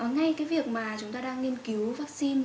ngay cái việc mà chúng ta đang nghiên cứu vaccine